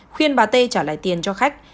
khuyên bà t trả lại tiền cho khách